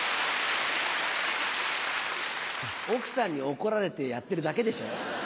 奥さんに怒られてやってるだけでしょう。